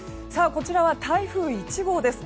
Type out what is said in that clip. こちらは台風１号です。